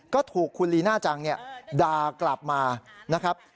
ก็ถูกคุณลีน่าจังด่ากลับมานะครับ